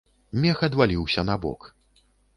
Мех адваліўся на бок.